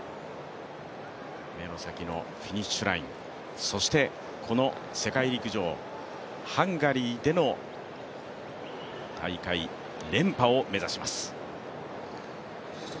目の先のフィニッシュライン、そしてこの世界陸上、ハンガリーでの大会連覇を目指します。